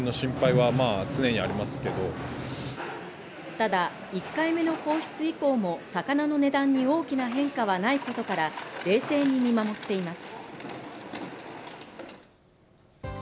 ただ１回目の放出以降も魚の値段に大きな変化はないことから、冷静に見守っています。